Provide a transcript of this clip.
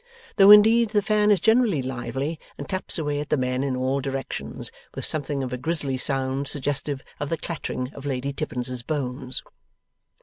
Though, indeed, the fan is generally lively, and taps away at the men in all directions, with something of a grisly sound suggestive of the clattering of Lady Tippins's bones.